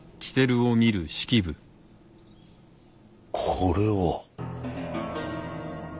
これは。